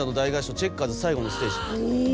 チェッカーズ最後のステージ。